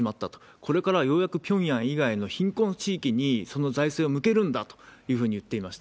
これからはようやくピョンヤン以外の貧困地域に、その財政を抜けるんだというふうに言っていました。